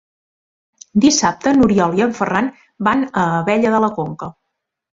Dissabte n'Oriol i en Ferran van a Abella de la Conca.